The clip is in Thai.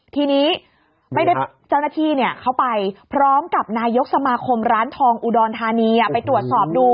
ทีนี้เจ้าหน้าที่เขาไปพร้อมกับนายกสมาคมร้านทองอุดรธานีไปตรวจสอบดู